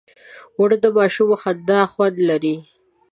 اوړه د ماشوم خندا خوند لري